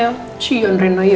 ga kangen sama temen temennya